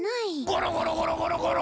ゴロゴロゴロゴロゴロ！